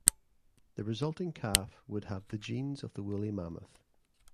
The resulting calf would have the genes of the woolly mammoth.